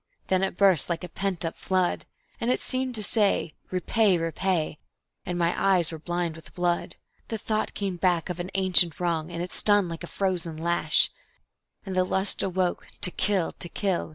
then it burst like a pent up flood; And it seemed to say, "Repay, repay," and my eyes were blind with blood. The thought came back of an ancient wrong, and it stung like a frozen lash, And the lust awoke to kill, to kill...